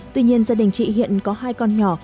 tuy nhiên gia đình chị hiện có hai con nhỏ